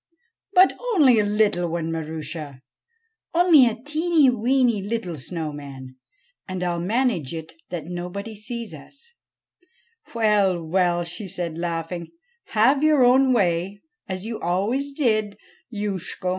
' But only a little one, Marusha ; only a teeny weeny little snow man, and I '11 manage it that nobody sees us." A I SNEGOROTCHKA 'Well, well,' she said, laughing; 'have your own way, as you always did, Youshko.'